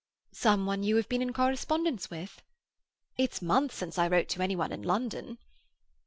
"Some one you have been in correspondence with?" "It's months since I wrote to any one in London."